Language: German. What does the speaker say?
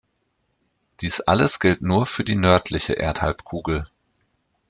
Dies alles gilt nur für die nördliche Erdhalbkugel.